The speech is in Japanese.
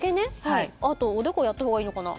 あとおでこやった方がいいのかな？